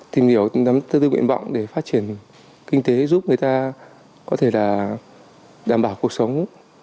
tìm hiểu tâm tư nguyện vọng để phát triển kinh tế giúp người ta có thể là đảm bảo cuộc sống